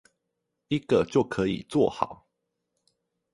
一個就可以做好